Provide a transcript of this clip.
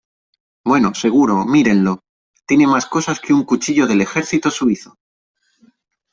Bueno , seguro , mírenlo . Tiene más cosas que un cuchillo del ejército suizo .